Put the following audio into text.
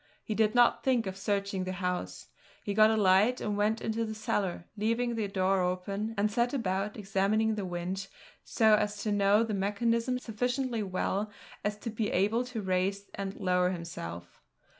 He did not think of searching the house. He got a light and went into the cellar, leaving the door open, and set about examining the winch, so as to know the mechanism sufficiently well as to be able to raise and lower himself.